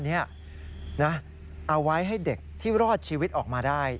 เอาไว้ให้เด็กที่รอดชีวิตออกมาได้